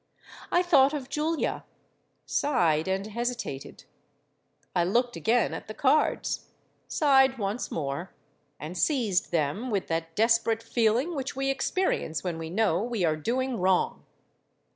I thought of Julia—sighed and hesitated: I looked again at the cards—sighed once more—and seized them with that desperate feeling which we experience when we know we are doing wrong.